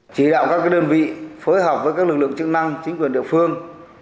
chỉ đạo các đơn vị phối hợp với các lực lượng chức năng chính quyền địa phương